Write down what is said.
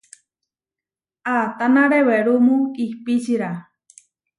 Ataná rewerúmu ihpíčira?